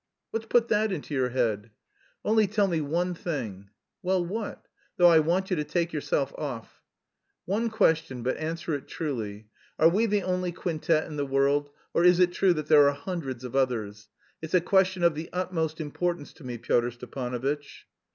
"What's put that into your head?" "Only tell me one thing." "Well, what? Though I want you to take yourself off." "One question, but answer it truly: are we the only quintet in the world, or is it true that there are hundreds of others? It's a question of the utmost importance to me, Pyotr Stepanovitch."